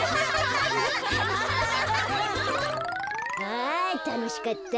あたのしかった。